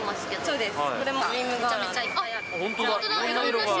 そうです。